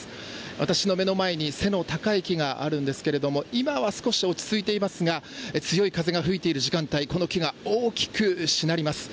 私の目の前に背の高い木があるんですが今は少し落ち着いていますが強い風が吹いている時間帯木が大きくしなります。